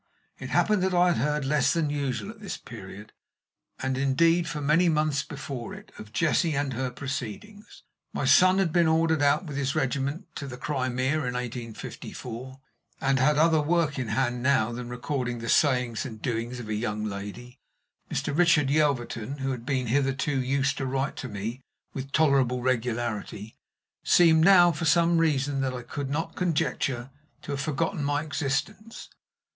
It happened that I had heard less than usual at this period, and indeed for many months before it, of Jessie and her proceedings. My son had been ordered out with his regiment to the Crimea in 1854, and had other work in hand now than recording the sayings and doings of a young lady. Mr. Richard Yelverton, who had been hitherto used to write to me with tolerable regularity, seemed now, for some reason that I could not conjecture, to have forgotten my existence.